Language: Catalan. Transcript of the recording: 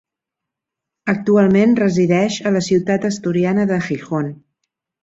Actualment resideix a la ciutat asturiana de Gijón.